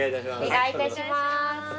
お願いいたします。